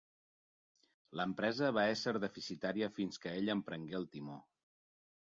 L'empresa va ésser deficitària fins que ell en prengué el timó.